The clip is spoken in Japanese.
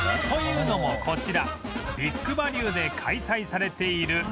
というのもこちら ＢＩＧ バリューで開催されている